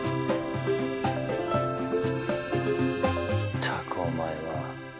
ったくお前は。